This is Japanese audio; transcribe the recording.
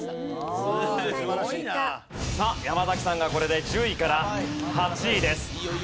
さあ山崎さんがこれで１０位から８位です。